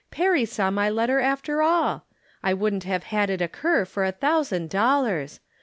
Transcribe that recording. Perry saw my letter, after all ! I wouldn't have had it occur for a thousand dollars